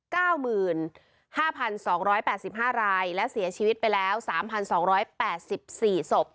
เก้าหมื่นห้าพันสองร้อยแปดสิบห้ารายและเสียชีวิตไปแล้วสามพันสองร้อยแปดสิบสี่ศพ